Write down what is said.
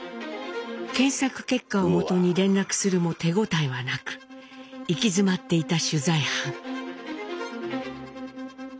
検索結果をもとに連絡するも手応えはなく行き詰まっていた取材班。